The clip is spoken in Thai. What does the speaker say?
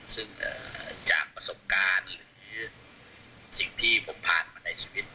ซึ่งจากประสบการณ์หรือสิ่งที่ผมผ่านมาในชีวิต